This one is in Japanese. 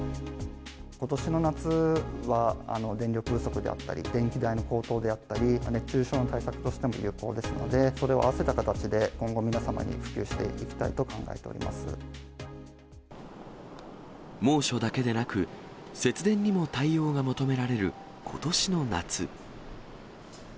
ことしの夏は、電力不足であったり、電気代の高騰であったり、熱中症の対策としても有効ですので、それをあわせた形で今後、皆様に普及していきたいと考えておりま猛暑だけでなく、節電にも対応が求められることしの夏。